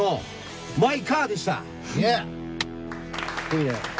いいね。